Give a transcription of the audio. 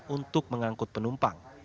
untuk mengangkut penumpang